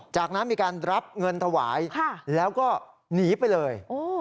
จากนั้นมีการรับเงินถวายแล้วก็หนีไปเลย